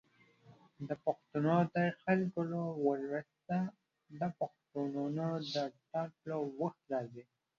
د پوښتنو تر حل کولو وروسته د پوهنتونونو د ټاکلو وخت راځي.